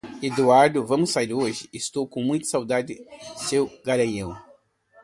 Eduardo, vamos sair hoje? Estou com muitas saudades seu garanhão.